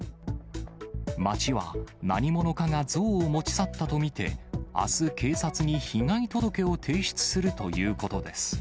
町は何者かが像を持ち去ったと見て、あす、警察に被害届を提出するということです。